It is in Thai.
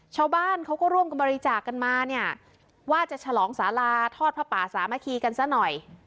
ชาวบ้านเขาก็ร่วมกันบริจาคกันมาเนี่ยว่าจะฉลองสาราทอดพระป่าสามัคคีกันซะหน่อย